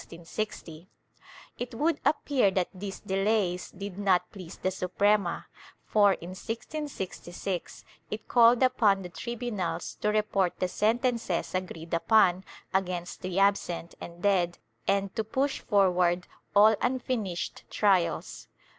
^ It would appear that these delays did not please the Suprema for, in 1666, it called upon the tribunals to report the sentences agreed upon against the absent and dead and to push forward all unfinished trials.